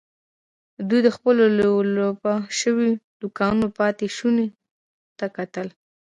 دوی د خپلو لولپه شويو دوکانونو پاتې شونو ته کتل.